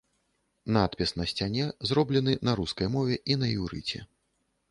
Надпіс на сцяне зроблены на рускай мове і на іўрыце.